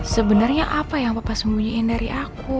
sebenernya apa yang papa sembunyiin dari aku